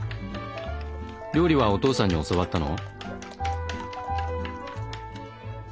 料理はお父さんに教わったの？